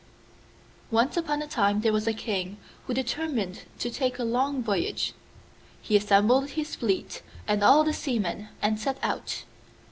Once upon a time there was a king who determined to take a long voyage. He assembled his fleet and all the seamen, and set out.